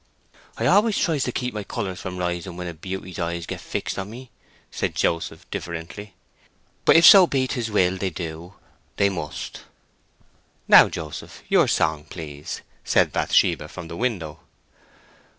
"I always tries to keep my colours from rising when a beauty's eyes get fixed on me," said Joseph, differently; "but if so be 'tis willed they do, they must." "Now, Joseph, your song, please," said Bathsheba, from the window.